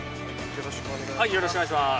・よろしくお願いします。